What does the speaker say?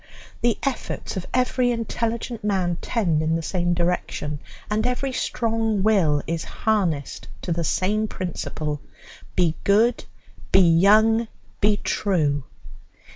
The efforts of every intelligent man tend in the same direction, and every strong will is harnessed to the same principle: Be good, be young, be true!